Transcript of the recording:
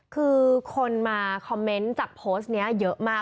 คือคนมาคอมเมนต์จากโพสต์นี้เยอะมาก